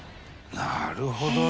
なるほどね。